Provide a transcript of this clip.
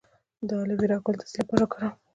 د الوویرا ګل د څه لپاره وکاروم؟